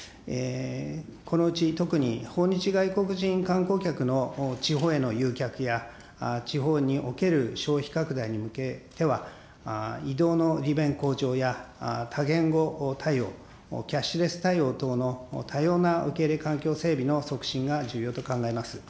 このうち、特に訪日外国人観光客の地方への誘客や、地方における消費拡大に向けては、移動の利便向上や多言語対応、キャッシュレス対応等の多様な受け入れ環境整備の促進が重要と考えます。